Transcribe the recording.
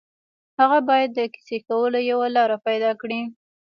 هغه باید د کیسې کولو یوه لاره پيدا کړي